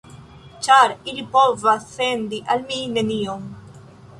Ĉar ili povas sendi al mi nenion.